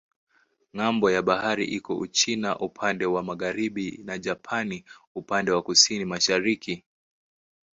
Ng'ambo ya bahari iko Uchina upande wa magharibi na Japani upande wa kusini-mashariki.